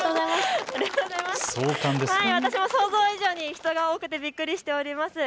私も想像以上に人が多くてびっくりしております。